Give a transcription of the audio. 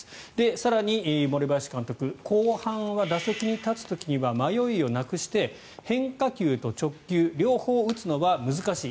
更に森林監督後半は打席に立つ時には迷いをなくして変化球と直球両方打つのは難しい。